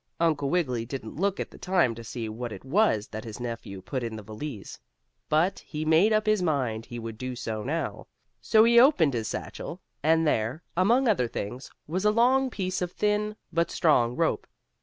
Uncle Wiggily didn't look at the time to see what it was that his nephew put in the valise, but he made up his mind he would do so now. So he opened his satchel, and there, among other things, was a long piece of thin, but strong rope.